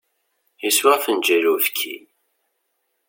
Yeswa afenǧal n uyefki.